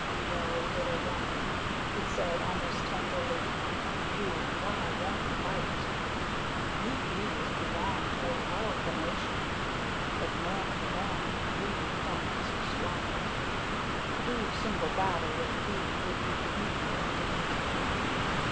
"No, little one," he said almost tenderly, "you and I won't fight. You bees belong to a powerful nation, but man for man we hornets are stronger. To do single battle with a bee would be beneath our dignity.